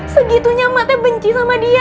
sejujurnya emak teh benci sama dia